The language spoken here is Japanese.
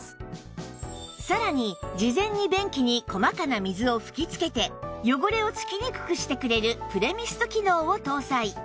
さらに事前に便器に細かな水を吹きつけて汚れをつきにくくしてくれるプレミスト機能を搭載